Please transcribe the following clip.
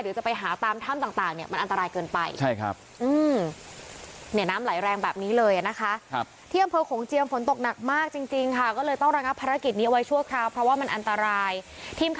จะไปหาตามถ้ำต่างเนี่ยมันอันตรายเกินไป